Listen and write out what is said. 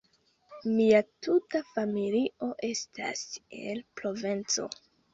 Mia tuta familio estas el Provenco.